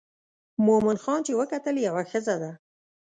مومن خان چې وکتل یوه ښځه ده.